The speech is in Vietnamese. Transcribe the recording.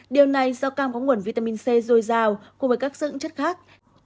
điều này do cam có nguồn vitamin c dồi dào cùng với các dưỡng chất khác